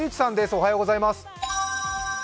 おはようございます。